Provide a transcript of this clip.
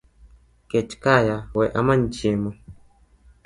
.kech kaya wee amany chiemo